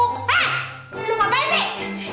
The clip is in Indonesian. hei lu ngapain sih